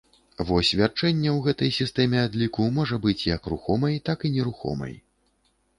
Вось вярчэння ў гэтай сістэме адліку можа быць як рухомай, так і нерухомай.